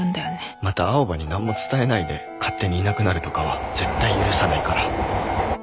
また青羽に何も伝えないで勝手にいなくなるとかは絶対許さないから。